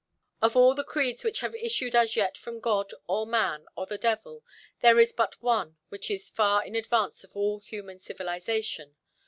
Of all the creeds which have issued as yet from God, or man, or the devil, there is but one which is far in advance of all human civilization.